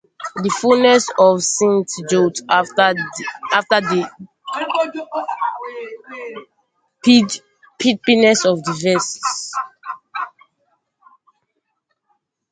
The fullness of the synths jolts after the beepiness of the verses.